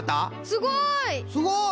すごい。